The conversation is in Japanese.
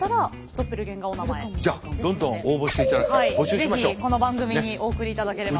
是非この番組にお送りいただければ。